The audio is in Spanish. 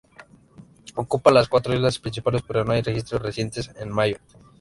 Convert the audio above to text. Ocupaba las cuatro islas principales pero no hay registros recientes en Mayotte.